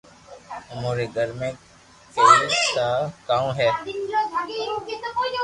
امو ري گھر ۾ ڪئي ٺا ڪاو ھي